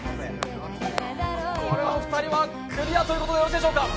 このお二人はクリアということでよろしいでしょうか？